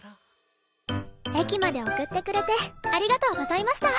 駅まで送ってくれてありがとうございました！